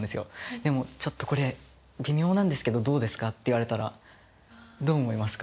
でも「ちょっとこれ微妙なんですけどどうですか？」って言われたらどう思いますか？